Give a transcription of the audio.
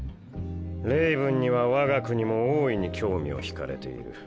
レイブンにはわが国も大いに興味を引かれている。